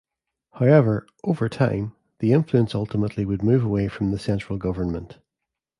However, over time, the influence ultimately would move away from the central government.